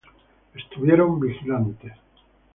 Estuvieron vigilantes.